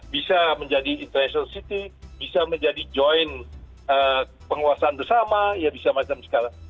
bisa menjadi international city bisa menjadi joint penguasaan bersama ya bisa macam segala